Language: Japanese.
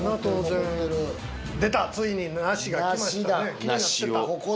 気になってた梨だ